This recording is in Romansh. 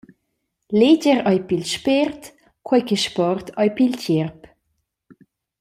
Leger ei pil spért, quei che sport ei pil tgierp.